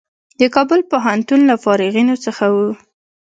د کابل پوهنتون له فارغینو څخه و.